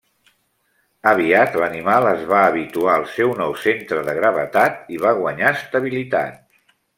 Aviat l'animal es va habituar al seu nou centre de gravetat i va guanyar estabilitat.